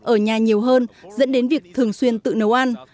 ở nhà nhiều hơn dẫn đến việc thường xuyên tự nấu ăn